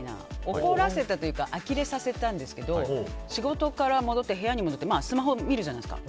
怒らせたというかあきれさせたんですけど仕事から部屋に戻ってスマホを見るじゃないですか。